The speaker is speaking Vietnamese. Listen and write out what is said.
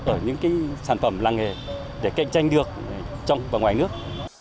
ở những sản phẩm làng nghề để cạnh tranh được trong và ngoài nước